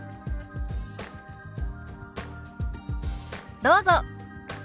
どうぞ。